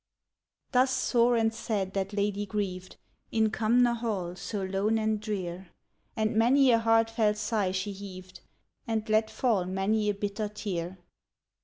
'" Thus sore and sad that lady grieved, In Cumnor Hall so lone and drear, And many a heartfelt sigh she heaved, And let fall many a bitter tear.